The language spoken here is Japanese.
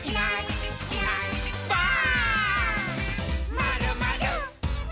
「まるまる」